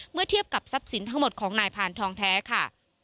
เมื่อเทียบกับทรัพย์สินทั้งหมดของนายผ่านทองแท้ค่ะ